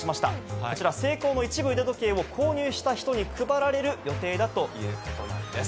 こちら、ＳＥＩＫＯの一部腕時計を購入した人に配られる予定だということなんです。